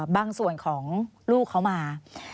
บางส่วนของลูกเขามา